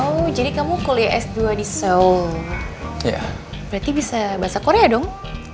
oh jadi kamu kuliah s dua di seoul berarti bisa bahasa korea dong